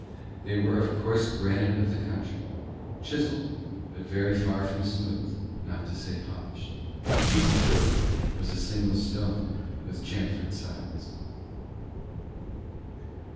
They were of coarse granite of the country, chiselled, but very far from smooth, not to say polished. Each pillar was a single stone with chamfered sides.